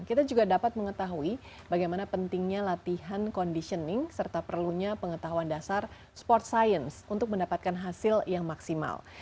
kita juga dapat mengetahui bagaimana pentingnya latihan conditioning serta perlunya pengetahuan dasar sport science untuk mendapatkan hasil yang maksimal